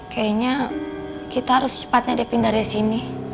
kayaknya kita harus cepatnya dia pindah dari sini